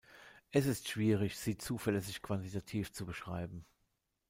Es ist schwierig, sie zuverlässig quantitativ zu beschreiben.